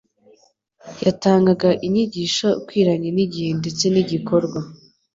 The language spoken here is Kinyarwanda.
Yatangaga inyigisho ikwiranye n'igihe ndetse n'igikorwa.